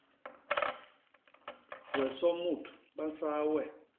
We somut ba nsaa we!